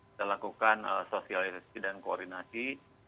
kita lakukan sosialisasi dan koordinasi